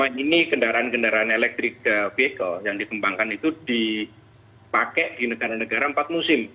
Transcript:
selama ini kendaraan kendaraan elektrik vehicle yang dikembangkan itu dipakai di negara negara empat musim